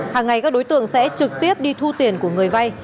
hàng ngày các đối tượng sẽ trực tiếp đi thu tiền của người vay